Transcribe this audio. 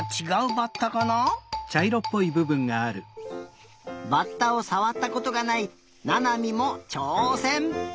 バッタをさわったことがないななみもちょうせん！